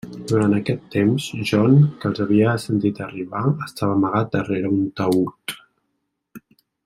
Durant aquest temps, John, que els havia sentit arribar, estava amagat darrere un taüt.